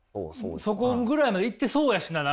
そこぐらいまでいってそうやしな！